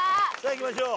いきましょう。